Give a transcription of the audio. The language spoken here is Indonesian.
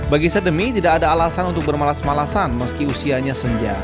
bagi sedemi tidak ada alasan untuk bermalas malasan meski usianya senja